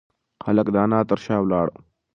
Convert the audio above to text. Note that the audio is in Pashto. هلک د انا تر شا ولاړ و.